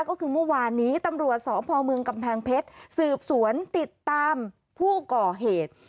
ก็คือเมื่อวานนี้ตำรวจสพเมืองกำแพงเพชรสืบสวนติดตามผู้ก่อเหตุ